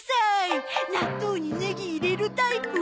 納豆にネギ入れるタイプ？